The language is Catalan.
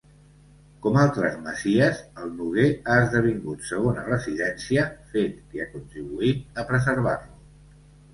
Com altres masies, el Noguer ha esdevingut segona residència, fet que ha contribuït a preservar-lo.